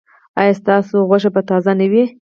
ایا ستاسو غوښه به تازه نه وي؟